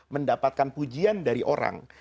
mendapatkan pujian dari orang